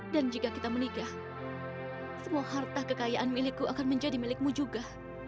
dan jika kita menikah semua harta kekayaan milikku akan menjadi milikmu juga